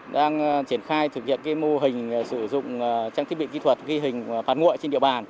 đang triển khai thực hiện mô hình sử dụng trang thiết bị kỹ thuật ghi hình phạt nguội trên địa bàn